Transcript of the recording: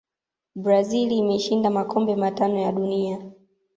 brazil imeshinda makombe matano ya dunia